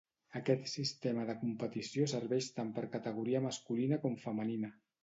Aquest sistema de competició serveix tant per categoria masculina com femenina.